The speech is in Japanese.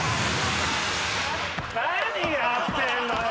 何やってんのよ